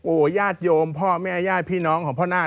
โอ้ญาติโยมพ่อแม่ย่าพี่น้องของพ่อหน้าทั้งหลาย